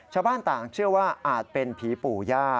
ชาวบ้านต่างเชื่อว่าอาจเป็นผีปู่ย่า